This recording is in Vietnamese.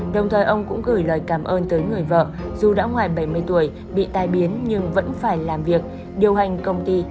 đồng thời ông cũng gửi lời cảm ơn tới người vợ dù đã ngoài bảy mươi tuổi bị tai biến nhưng vẫn phải làm việc điều hành công ty